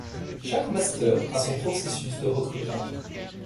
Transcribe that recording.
Chaque Master a son processus de recrutement.